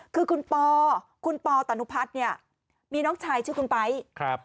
คือคุณปอคุณปอตนุพัฒน์เนี่ยมีน้องชายชื่อคุณไป๊ครับ